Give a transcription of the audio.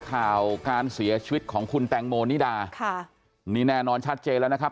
ข่าวการเสียชีวิตของคุณแตงโมนิดาค่ะนี่แน่นอนชัดเจนแล้วนะครับ